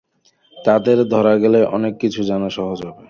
তাদের ধরা গেলে অনেক কিছু জানা সহজ হবে।